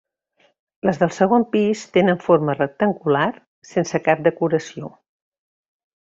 Les del segon pis tenen forma rectangular sense cap decoració.